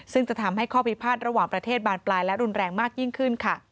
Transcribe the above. ซึ่งจะทำให้ข้อพิพาทระหว่างประเทศบานปลายและรุนแรงมากยิ่งขึ้นค่ะ